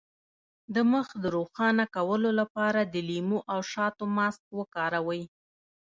د مخ د روښانه کولو لپاره د لیمو او شاتو ماسک وکاروئ